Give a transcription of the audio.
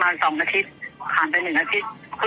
แต่ไม่มีไอดี